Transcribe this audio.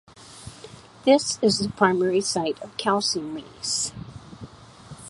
This is the primary site of calcium release.